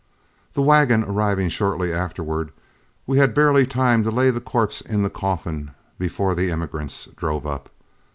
The wagon arriving shortly afterward, we had barely time to lay the corpse in the coffin before the emigrants drove up.